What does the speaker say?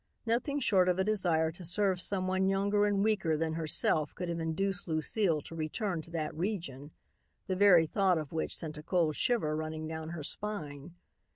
Nothing short of a desire to serve someone younger and weaker than herself could have induced Lucile to return to that region, the very thought of which sent a cold shiver running down her spine.